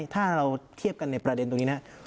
ถ้าเราเทียบกันในประเด็นตรงนี้นะครับ